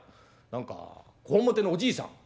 何かこわもてのおじいさん」。